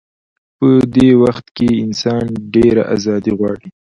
په دې وخت کې انسان ډېره ازادي غواړي.